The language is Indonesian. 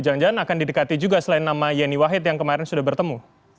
jangan jangan akan didekati juga selain nama yeni wahid yang kemarin sudah bertemu